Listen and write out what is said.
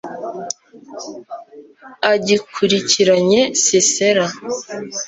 agikurikiranye sisera